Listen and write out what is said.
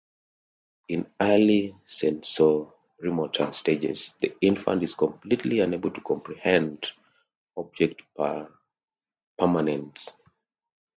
In early sensorimotor stages, the infant is completely unable to comprehend object permanence.